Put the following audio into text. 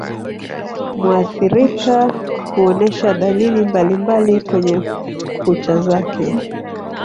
Muathirika huonesha dalili mbalimbali kwenye kucha zake